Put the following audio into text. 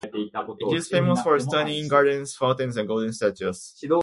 It is famous for its stunning gardens, fountains, and golden statues.